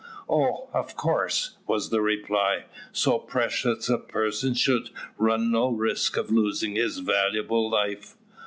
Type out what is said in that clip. "Oh! of course," was the reply; "so precious a person should run no risk of losing his valuable life."